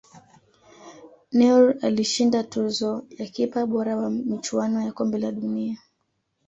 neuer alishinda tuzo ya kipa bora wa michuano ya kombe la dunia